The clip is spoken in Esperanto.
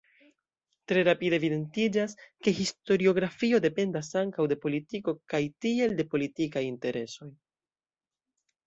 Tre rapide evidentiĝas, ke historiografio dependas ankaŭ de politiko kaj tiel de politikaj interesoj.